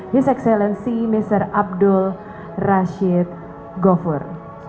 tuan ibu pak abdul rashid ghaffour